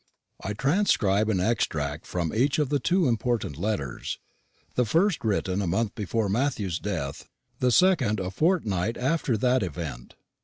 I transcribe an extract from each of the two important letters; the first written a month before Matthew's death, the second a fortnight after that event.